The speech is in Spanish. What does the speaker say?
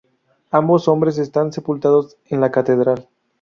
Ambos hombres están sepultados en la catedral.